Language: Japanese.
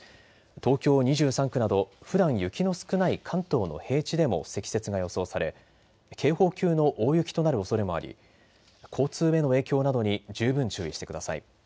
東京２３区などふだん雪の少ない関東の平地でも積雪が予想され、警報級の大雪となるおそれもあり交通への影響などに十分注意してください。